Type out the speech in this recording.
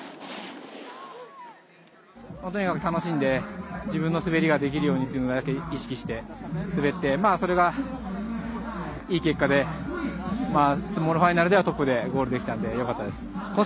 とにかく楽しんで自分の滑りができるようにというのだけ意識して滑ってそれがいい結果でスモールファイナルではトップでゴールできたのでよかったです。